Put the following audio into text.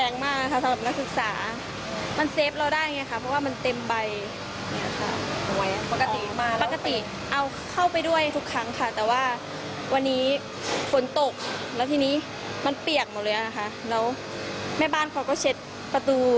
แล้วแม่บ้านเขาก็เช็ดประตูของเบาะรถจักรยานยนต์